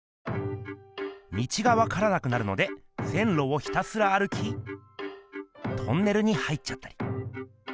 道がわからなくなるので線路をひたすら歩きトンネルに入っちゃったり。